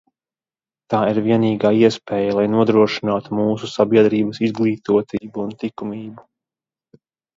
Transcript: Tā ir vienīgā iespēja, lai nodrošinātu mūsu sabiedrības izglītotību un tikumību.